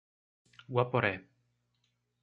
Guaporé